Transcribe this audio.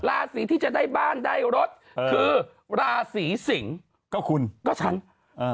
ราศีที่จะได้บ้านได้รถคือราศีสิงศ์ก็คุณก็ฉันอ่า